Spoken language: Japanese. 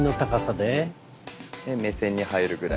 で目線に入るぐらい。